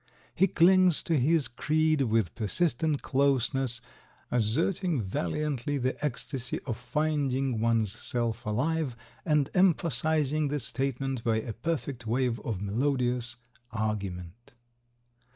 He clings to his creed with persistent closeness, asserting valiantly the ecstasy of finding one's self alive and emphasizing the statement by a perfect wave of melodious argument.